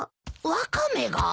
ワカメが？